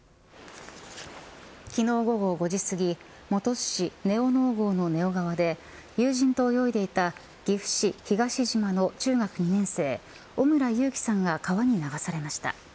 昨日午後５時すぎ本巣市根尾能郷の根尾川で友人と泳いでいた岐阜市東島の中学２年生、尾村悠稀さんが川に流されました。